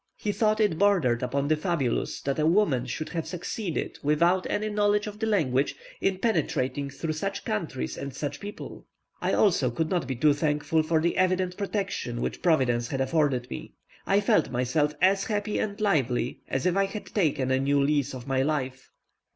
He thought it bordered upon the fabulous that a woman should have succeeded, without any knowledge of the language, in penetrating through such countries and such people. I also could not be too thankful for the evident protection which Providence had afforded me. I felt myself as happy and lively as if I had taken a new lease of my life.